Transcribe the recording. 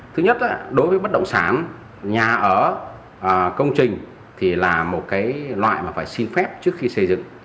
thứ nhất đối với bất động sản nhà ở công trình thì là một loại mà phải xin phép trước khi xây dựng